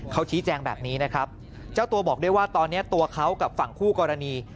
เขาชี้แจงแบบนี้นะครับเจ้าตัวบอกด้วยว่าตอนนี้ตัวเขากับฝั่งคู่กรณี